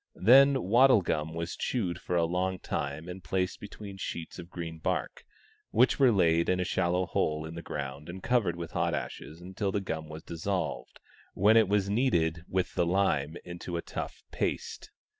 Then wattle gum was chewed for a long time and placed between sheets of green bark, which were laid in a shallow hole in the ground and covered with hot ashes until the gum was dissolved, when it was kneaded with the lime into a tough paste.